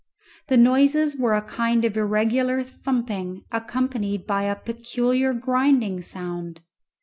The noises were a kind of irregular thumping accompanied by a peculiar grinding sound.